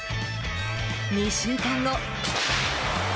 ２週間後。